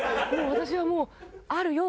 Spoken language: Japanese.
私はもう「あるよ」